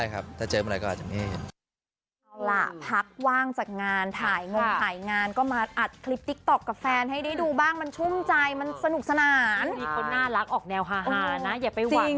ก็คือถ้าเจอเมื่อไหร่ก็อาจจะมี